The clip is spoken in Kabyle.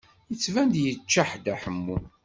Yettban-d yeččeḥ Dda Ḥemmu.